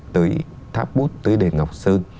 tới tháp bút tới đền ngọc sơn